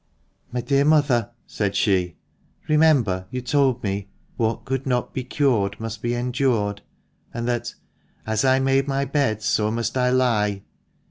"My dear mother," said she, "remember you told me 'what could not be cured must be endured,' and that 'as I made my bed so must I lie.'